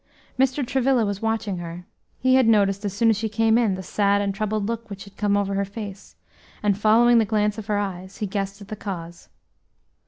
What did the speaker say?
Mr. Travilla was watching her; he had noticed, as soon as she came in, the sad and troubled look which had come over her face, and, following the glance of her eyes, he guessed at the cause.